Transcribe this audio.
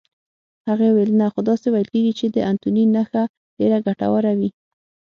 هغې وویل: نه، خو داسې ویل کېږي چې د انتوني نخښه ډېره ګټوره وي.